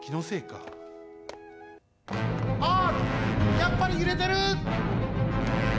やっぱりゆれてる！